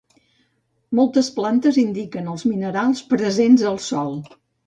Moltes plantes indiquen els minerals presents al sòl.